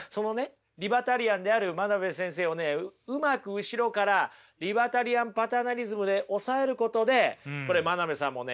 リバタリアンである真鍋先生をねうまく後ろからリバタリアン・パターナリズムで抑えることでこれ真鍋さんもね